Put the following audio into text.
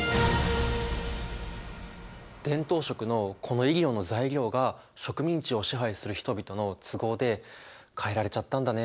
伝統食のこのイリオの材料が植民地を支配する人々の都合で変えられちゃったんだね。